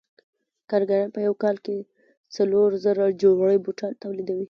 کارګران په یو کال کې څلور زره جوړې بوټان تولیدوي